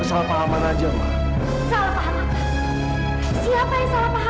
kamu jangan partie n untilhank